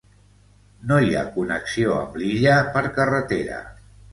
No hi ha connexió amb l'illa per carretera.